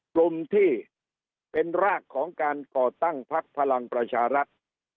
กลุ่มที่เป็นรากของการก่อตั้งพักพลังประชารัฐ